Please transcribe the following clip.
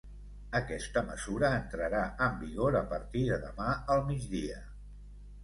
Aquesta mesura entrarà en vigor a partir de demà al migdia.